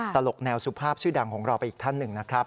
ตลกแนวสุภาพชื่อดังของเราไปอีกท่านหนึ่งนะครับ